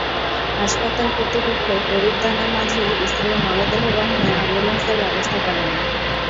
হাসপাতাল কর্তৃপক্ষ গরিব দানা মাঝির স্ত্রীর মরদেহ বহনে অ্যাম্বুলেন্সের ব্যবস্থা করেনি।